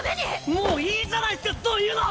もういいじゃないっすかそういうの！